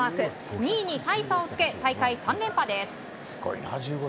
２位に大差をつけ大会３連覇です。